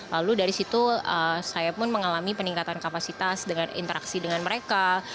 lalu dari situ saya pun mengalami peningkatan kapasitas dengan interaksi dengan mereka